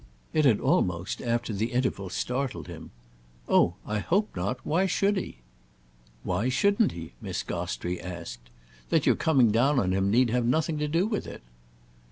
It had almost, after the interval, startled him. "Oh I hope not! Why should he?" "Why shouldn't he?" Miss Gostrey asked. "That you're coming down on him need have nothing to do with it."